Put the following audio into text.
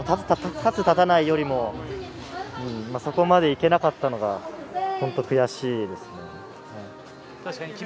立つ、立たないよりもそこまで行けなかったのが本当、悔しいですね。